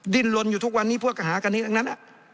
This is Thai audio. ดินลนอยู่ทุกวันนี้เพื่อหากันนี้ต่างนั้น